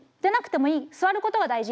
い座ることが大事。